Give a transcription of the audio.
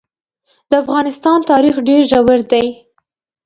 د افغانستان تاریخ ډېر ژور دی.